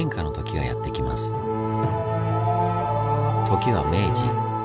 時は明治。